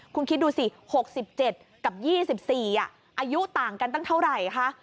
คุณคิดดูสิ๖๗กับ๒๔อายุต่างกันตั้งเท่าไหร่คะ